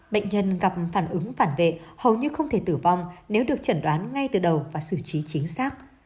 bệnh nhân gặp phản ứng phản vệ hầu như không thể tử vong nếu được chẩn đoán ngay từ đầu và xử trí chính xác